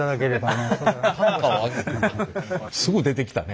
すぐ出てきたね。